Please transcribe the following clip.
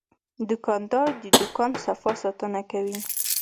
دوکاندار د دوکان صفا ساتنه کوي.